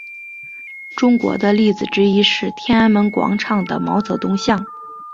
中国的例子之一是天安门广场的毛泽东像。